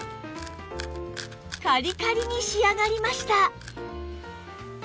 カリカリに仕上がりました